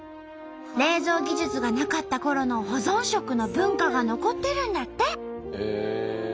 冷蔵技術がなかったころの保存食の文化が残ってるんだって！